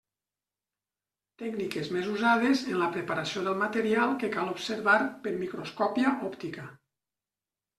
Tècniques més usades en la preparació del material que cal observar per microscòpia òptica.